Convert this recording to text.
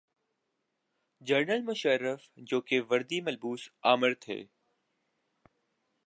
General Musharraf جوکہ وردی ملبوس آمر تھے۔